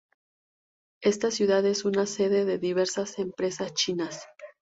Esta ciudad es una sede de diversas empresas chinas.